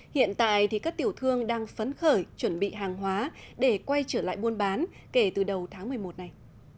hiện tại thì các tiểu thương đang phấn khởi chuẩn bị hàng hóa để quay trở lại buôn bán kể từ đầu tháng một mươi một này